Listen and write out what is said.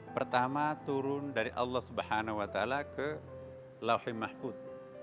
pertama turun dari allah swt ke lauhi mahfud